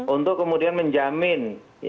untuk kemudian menjamin